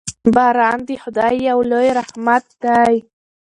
باران د خدای یو لوی رحمت دی.